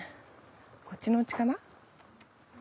こっちのおうちかな。